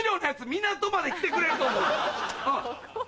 港まで来てくれると思う。